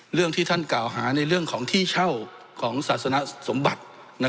เรื่องที่ท่านกล่าวหาในเรื่องของที่เช่าของศาสนสมบัติ